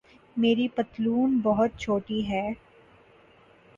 میری پتلون بہت چھوٹی ہے